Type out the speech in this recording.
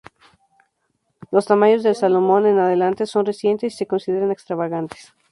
Los tamaños del salomón en adelante, son recientes y se consideran extravagantes.